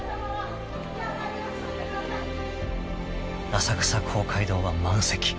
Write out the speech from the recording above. ［浅草公会堂は満席］